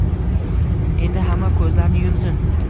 Endi hamma koʻzlarini yumsin!